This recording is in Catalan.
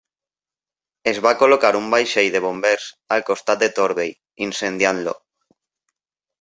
Es va col·locar un vaixell de bombers al costat de Torbay, incendiant-lo.